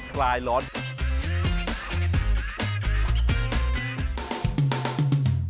กลายเป็นประเพณีที่สืบทอดมาอย่างยาวนาน